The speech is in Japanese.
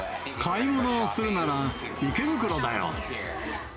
買い物をするなら池袋だよ。